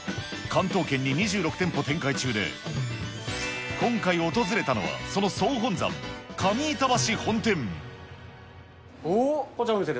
関東圏に２６店舗展開中で、今回訪れたのはその総本山、上板橋本店。